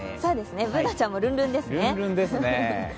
Ｂｏｏｎａちゃんもルンルンですね。